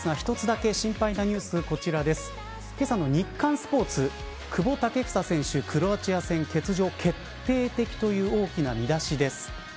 けさの日刊スポーツ久保建英選手、クロアチア戦欠場決定的という大きな見出しです。